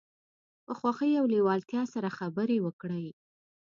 په خوښۍ او لیوالتیا سره خبرې وکړئ.